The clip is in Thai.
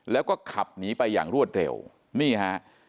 แล้วก็ขับหนีไปอย่างรวดเร็วนี่ฮะ